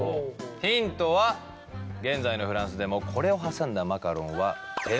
ヒントは現在のフランスでもこれを挟んだマカロンは定番の一つ。